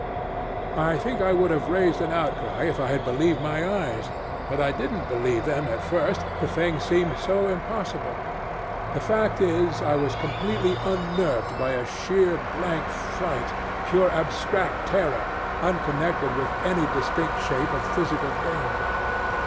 "I think I would have raised an outcry if I had believed my eyes. But I didn't believe them at first the thing seemed so impossible. The fact is I was completely unnerved by a sheer blank fright, pure abstract terror, unconnected with any distinct shape of physical danger.